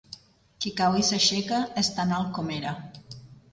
Qui cau i s'aixeca és tan alt com era.